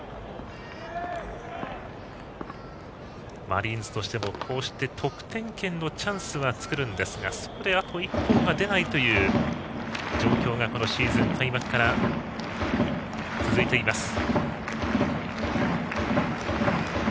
マリーンズとしてもこうして得点圏のチャンスは作るんですがそこであと１本が出ないという状況がシーズンの開幕から続いています。